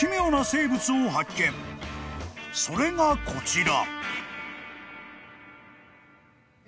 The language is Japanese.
［それがこちら］